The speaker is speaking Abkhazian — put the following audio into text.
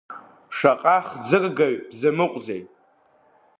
Шаҟа хӡыргаҩ бзамыҟәзеи!